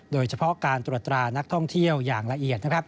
โดยเฉพาะการตรวจตรานักท่องเที่ยวอย่างละเอียด